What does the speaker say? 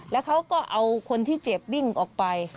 แล้วเขาก็เอาคนที่เจ็บวิ่งออกไป